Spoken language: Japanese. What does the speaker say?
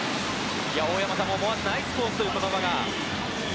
大山さんも思わずナイスコースという言葉が。